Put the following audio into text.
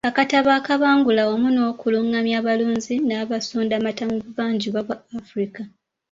Akatabo akabangula wamu n’okulungamya abalunzi n’abasundamata mu buvanjuba bwa Afirika.